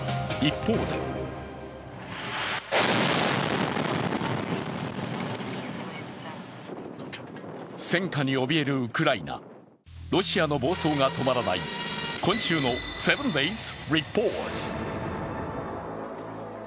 一方で戦火におびえるウクライナ、ロシアの暴走が止まらない、今週の「７ｄａｙｓリポート」。